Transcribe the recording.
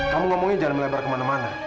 kamu ngomongnya jangan melebar kemana mana